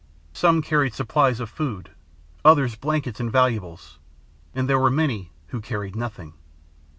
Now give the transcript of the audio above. Some carried supplies of food, others blankets and valuables, and there were many who carried nothing.